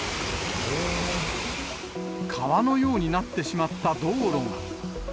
川のようになってしまった道路が。